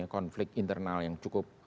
konflik internal yang cukup